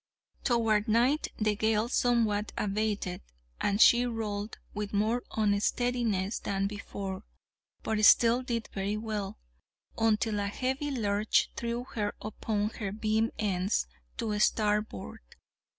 Toward night the gale somewhat abated, and she rolled with more unsteadiness than before, but still did very well, until a heavy lurch threw her upon her beam ends to starboard.